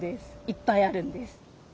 いっぱいあるんです。